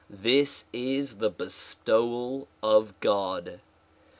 This is the bestowal of God.